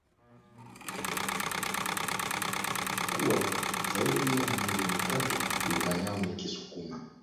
Kuwa zaidi ya milioni tatu Lugha yao ni Kisukuma